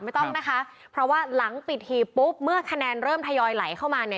ไม่ต้องนะคะเพราะว่าหลังปิดหีบปุ๊บเมื่อคะแนนเริ่มทยอยไหลเข้ามาเนี่ย